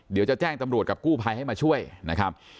เดี๋ยวจะแจ้งตำรวจกับกู้ภัยให้มาช่วยนะครับ